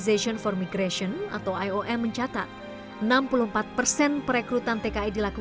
begitu banyak opnum yang terlibat mulai dari perekrut lapangan hingga agen besar yang jadi penyandang dana